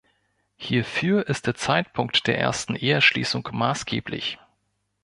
Hierfür ist der Zeitpunkt der ersten Eheschließung maßgeblich.